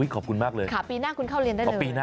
ขอบคุณมากเลยข่าวปีหน้าคุณเข้าเรียนได้เลย